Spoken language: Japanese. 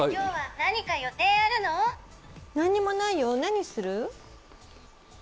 何もないよ、何する？